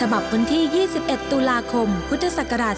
วันที่๒๑ตุลาคมพุทธศักราช๒๕